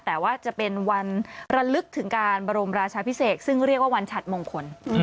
แต่ว่าจะเป็นวันระลึกถึงการบรมราชาพิเศษซึ่งเรียกว่าวันฉัดมงคล